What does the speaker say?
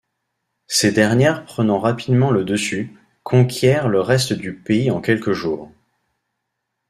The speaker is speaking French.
Ces dernières prenant rapidement le dessus, conquièrent le reste du pays en quelques jours.